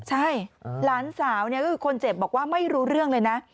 ใช่หลานสาวเนี่ยคือคนเจ็บบอกว่าไม่รู้เรื่องเลยนะ